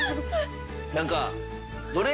何か。